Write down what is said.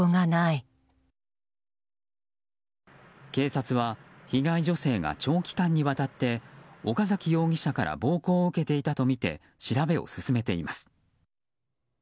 警察は被害女性が長期間にわたって岡崎容疑者から暴行を受けていたとみて調べを進めています。